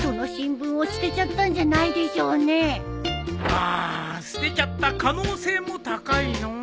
あ捨てちゃった可能性も高いのう。